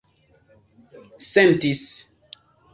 sentis